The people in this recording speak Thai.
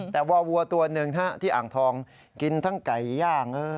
แต่วัวตัวหนึ่งที่อ่างทองกินทั้งไก่ย่าง